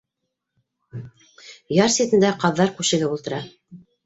Яр ситендә ҡаҙҙар күшегеп ултыра.